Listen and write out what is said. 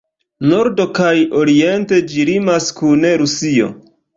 Norde kaj oriente ĝi limas kun Rusio.